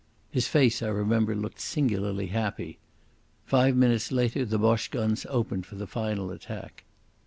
His face, I remember, looked singularly happy. Five minutes later the Boche guns opened for the final attack.